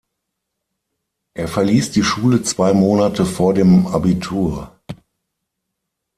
Er verließ die Schule zwei Monate vor dem Abitur.